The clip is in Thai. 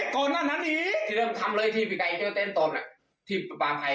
ขายเจ้ามาเท่าไร